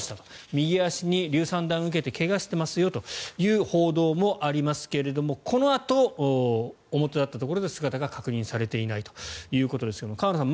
右足にりゅう散弾を受けて怪我をしていますよという報道もありますけれどもこのあと表立ったところで姿が確認されていないということですが河野さん